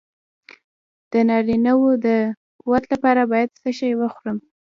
د نارینه وو د قوت لپاره باید څه شی وخورم؟